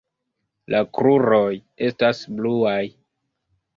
La kruroj estas bluaj.